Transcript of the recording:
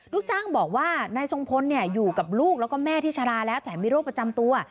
คุณสมบอกว่านายทรงพลอยู่กับลูกและแม่ที่ชาราแล้วแผนมิโรคประจำตัว